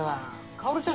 薫ちゃん